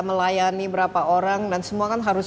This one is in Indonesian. melayani berapa orang dan semua kan harus